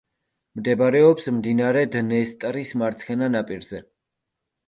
მდებარეობს მდინარე დნესტრის მარცხენა ნაპირზე.